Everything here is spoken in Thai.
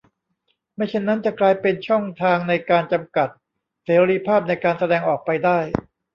ไม่เช่นนั้นจะกลายเป็นช่องทางในการจำกัดเสรีภาพในการแสดงออกไปได้